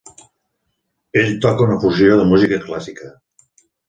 Ell toca una fusió de música clàssica.